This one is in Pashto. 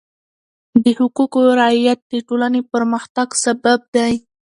د حقوقو رعایت د ټولنې پرمختګ سبب دی.